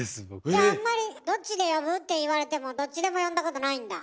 じゃあんまり「どっちで呼ぶ？」って言われてもどっちでも呼んだことないんだ？